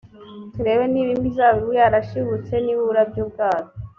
turebe niba imizabibu yarashibutse e niba uburabyo bwayo